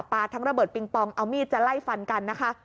ทั้งระเบิดปิงปองเอามีดจะไล่ฟันกันนะคะ